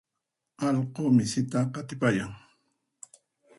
Allqu misita qatipayan.